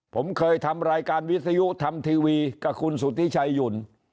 ผมเคยทำรายการวิทยุทำทีวีกับคุณสุธิชัยหยุ่น